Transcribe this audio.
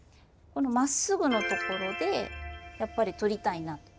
まっすぐのところでやっぱりとりたいなとＡね。